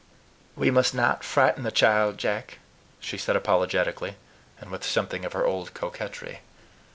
"We must not frighten the child, Jack," she said apologetically, and with something of her old coquetry.